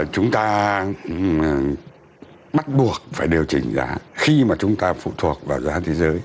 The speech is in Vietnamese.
chúng ta bắt buộc phải điều chỉnh giá khi mà chúng ta phụ thuộc vào giá thế giới